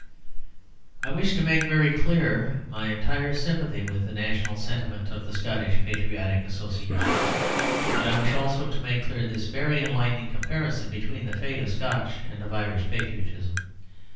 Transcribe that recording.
I wish to make very clear my entire sympathy with the national sentiment of the Scottish Patriotic Association. But I wish also to make clear this very enlightening comparison between the fate of Scotch and of Irish patriotism.